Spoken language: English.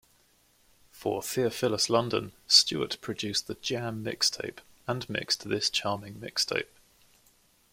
For Theophilus London, Stewart produced the Jam Mixtape and mixed This Charming Mixtape.